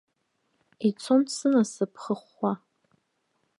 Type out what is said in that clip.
Ицон сынасыԥ хыхәхәа.